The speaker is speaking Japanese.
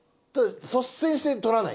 率先して取らない。